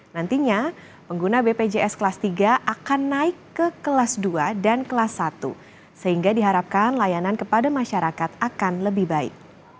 nantinya pengguna bpjs kelas tiga akan naik ke kelas dua dan kelas satu sehingga diharapkan layanan kepada masyarakat akan lebih baik